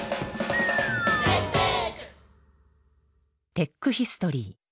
テックヒストリー。